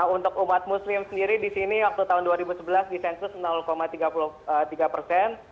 untuk umat muslim sendiri di sini waktu tahun dua ribu sebelas di sensus tiga puluh tiga persen